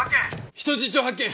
人質を発見！